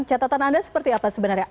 catatan anda seperti apa sebenarnya